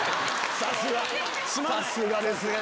さすがですね。